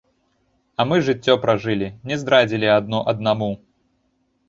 А мы жыццё пражылі, не здрадзілі адно аднаму.